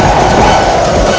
itu udah gila